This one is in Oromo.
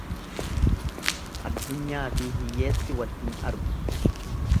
Addunyaafi hiyyeessi wal hin argu.